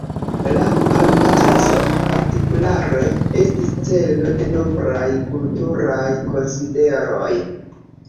La albatrosoj partikulare estis celo de nombraj kulturaj konsideroj.